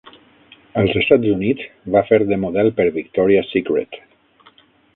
Als Estats Units, va fer de model per Victoria's Secret.